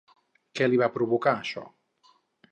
Què li va provocar això?